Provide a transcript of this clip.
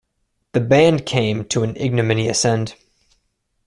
The band came to an ignominious end.